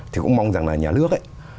thì cũng mong rằng là nhà nước